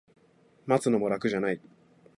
待つのも楽じゃない